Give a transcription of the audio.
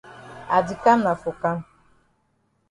I di kam na for kam.